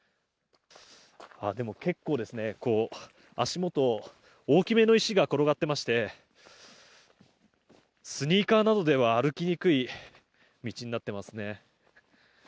でも結構、足元大きめの石が転がっていましてスニーカーなどでは歩きにくい道になっていますね。